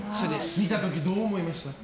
見た時どう思いました？